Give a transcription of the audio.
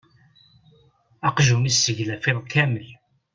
Aqjun iseglef iḍ kammel.